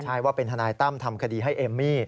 ใช่ว่าเป็นทนายตั้มทำคดีให้เอมมี่